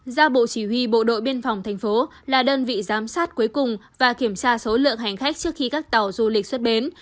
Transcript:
ra bộ chỉ huy bộ đội biên phòng thành phố là đơn vị giám sát cuối cùng và kiểm tra số lượng hành khách trước khi các tàu du lịch xuất bến